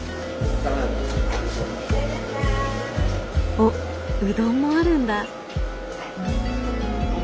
おっうどんもあるんだ！